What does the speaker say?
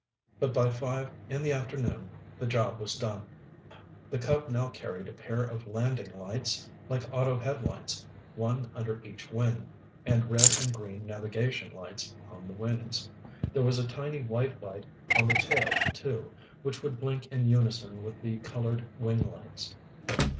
But by five in the afternoon, the job was done. The Cub now carried a pair of landing lights, like auto headlights, one under each wing, and red and green navigation lights on the wings. There was a tiny white light on the tail, too, which would blink in unison with the colored wing lights.